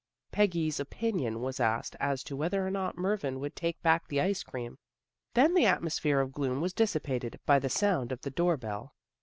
Peggy's opinion was asked as to whether or not Murvin would take back the ice cream. And then the atmosphere of gloom was dissipated by the sound of the door bell.